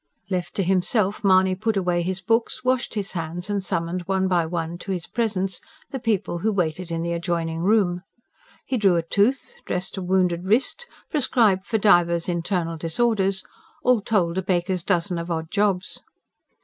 Left to himself Mahony put away his books, washed his hands and summoned one by one to his presence the people who waited in the adjoining room. He drew a tooth, dressed a wounded wrist, prescribed for divers internal disorders all told, a baker's dozen of odd jobs.